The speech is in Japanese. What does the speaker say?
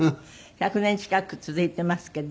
１００年近く続いていますけど。